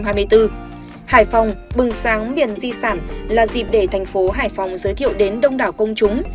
hải phòng bừng sáng miền di sản là dịp để thành phố hải phòng giới thiệu đến đông đảo công chúng